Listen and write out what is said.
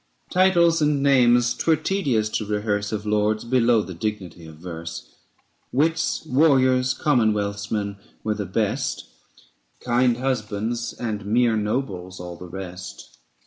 Titles and names 'twere tedious to rehearse Of lords below the dignity of verse. 570 Wits, warriors, commonwealth's men were the best ; Kind husbands and mere nobles all the rest.